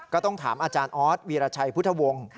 ก็ต้องถามอาจารย์ออสวีรชัยพุทธวงศ์